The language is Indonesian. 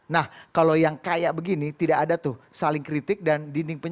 nah kalau yang kayak begini tidak ada tuh saling kritik dan dinding p tiga